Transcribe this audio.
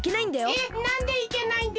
えっなんでいけないんですか？